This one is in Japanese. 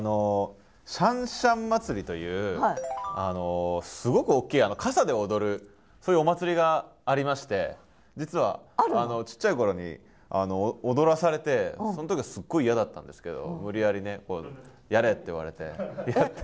しゃんしゃん祭というすごく大きい傘で踊るそういうお祭りがありまして実はちっちゃい頃に踊らされてその時はすっごい嫌だったんですけど無理やりねやれって言われてやって。